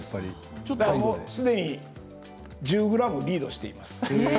もう既に１０ｇリードしています。え！